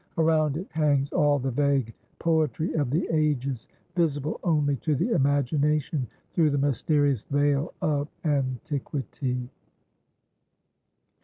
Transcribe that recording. Around it hangs all the vague poetry of the ages, visible only to the imagination through the mysterious veil of antiquity."